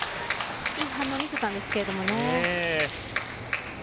いい反応見せたんですけどね。